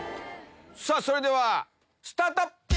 それではスタート！